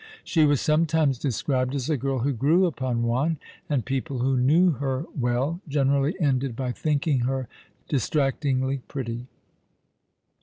She was sometimes described as a girl who grew upon one ; and people who knew her well generally ended by thinking her distractingly pretty.